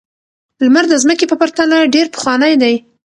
لمر د ځمکې په پرتله ډېر پخوانی دی.